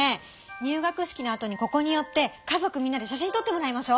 入学式のあとにここに寄って家族みんなで写真とってもらいましょう。